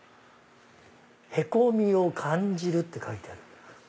へこみを感じるって書いてある。